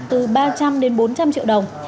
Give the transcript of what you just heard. từ ba trăm linh đến bốn trăm linh triệu đồng